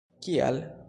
Kial!?